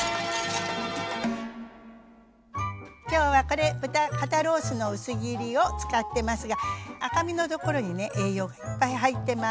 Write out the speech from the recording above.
今日はこれ豚肩ロースの薄切りを使ってますが赤身のところにね栄養がいっぱい入ってます。